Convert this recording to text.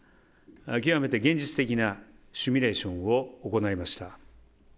極めて現実的なシミュレーションを行いました。